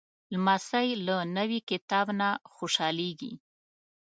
لمسی له نوي کتاب نه خوشحالېږي.